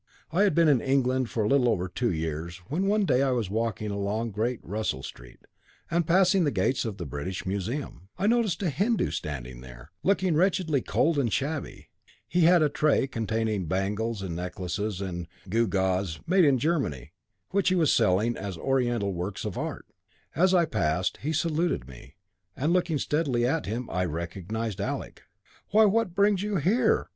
I had been in England for a little over two years, when one day I was walking along Great Russell Street, and passing the gates of the British Museum, I noticed a Hindu standing there, looking wretchedly cold and shabby. He had a tray containing bangles and necklaces and gewgaws, made in Germany, which he was selling as oriental works of art. As I passed, he saluted me, and, looking steadily at him, I recognised Alec. 'Why, what brings you here?'